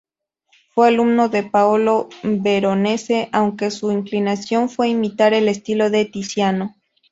Fue alumno de Paolo Veronese, aunque su inclinación fue imitar el estilo de Tiziano.